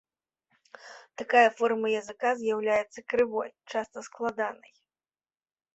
Такая форма языка з'яўляецца крывой, часта складанай.